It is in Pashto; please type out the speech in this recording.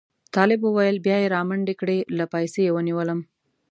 طالب وویل بیا یې را منډې کړې له پایڅې یې ونیولم.